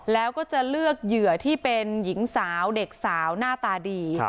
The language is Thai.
แล้วก็จะเลือกเหยื่อที่เป็นหญิงสาวเด็กสาวหน้าตาดี